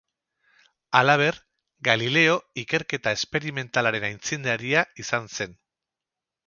Halaber, Galileo ikerketa esperimentalaren aitzindaria izan zen.